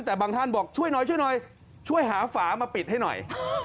แต่บางท่านบอกช่วยหน่อยช่วยหาฝามาปิดให้หน่อย